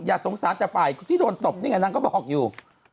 อย่าสงสารจะไปที่โดนตบนี่ไงนางก็บอกอยู่